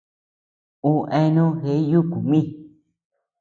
Uu eani jeʼe yuku mï.